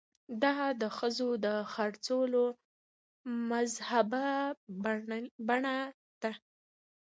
دا د ښځو د خرڅولو مهذبه بڼه ده.